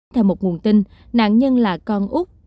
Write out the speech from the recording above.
theo một nguồn tin nạn nhân là con úc